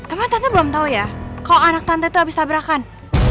emang tante belum tahu ya kok anak tante itu habis tabrakan